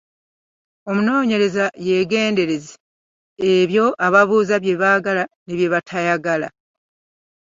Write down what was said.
Omunoonyereza yeegendereze ebyo b’abuuza bye baagala ne bye batayagala.